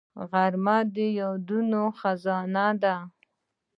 غرمه د یادونو خزانه ده